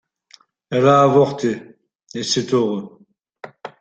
Elle a avorté et c’est heureux.